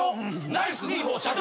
ナイス二歩社長！